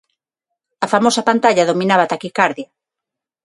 A famosa pantalla dominaba a taquicardia.